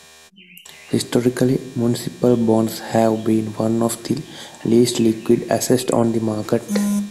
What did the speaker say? Historically, municipal bonds have been one of the least liquid assets on the market.